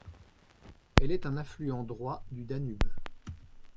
Elle est un affluent droit du Danube.